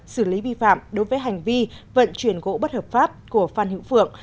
xử lý vi phạm đối với hành vi vận chuyển gỗ bất hợp pháp của phan hữu phượng